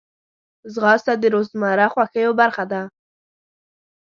ځغاسته د روزمره خوښیو برخه ده